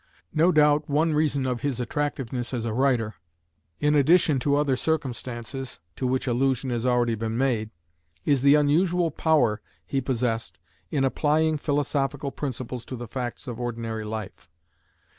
No doubt one reason of his attractiveness as a writer, in addition to other circumstances to which allusion has already been made, is the unusual power he possessed in applying philosophical principles to the facts of ordinary life.